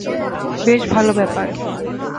বেশ ভালো ব্যাপার।